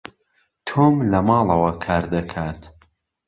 تۆم لە ماڵەوە کار دەکات.